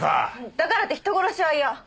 だからって人殺しは嫌！